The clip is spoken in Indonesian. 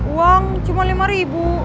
uang cuma lima ribu